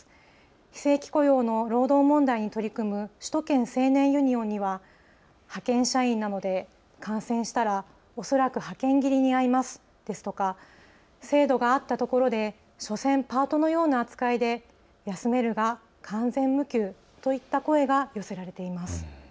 非正規雇用の労働問題に取り組む首都圏青年ユニオンは派遣社員なので感染したら恐らく派遣切りにあいますですとか制度があったところで所詮、パートのような扱いで休めるが完全無給といった声が寄せられています。